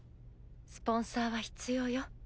スポンサーは必要よ。